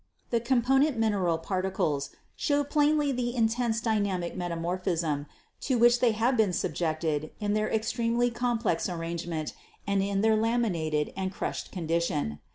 The component mineral particles show plainly the intense dynamic metamorphism to which they have been subjected in their extremely complex arrange ment and in their laminated and crushed condition.